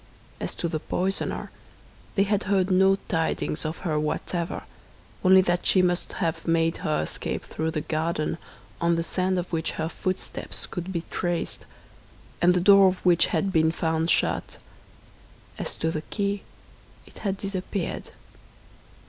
As to the poisoner, they had heard no tidings of her whatever, only that she must have made her escape through the garden, on the sand of which her footsteps could be traced, and the door of which had been found shut. As to the key, it had disappeared.